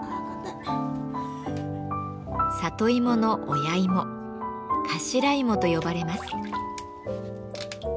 里芋の親芋頭芋と呼ばれます。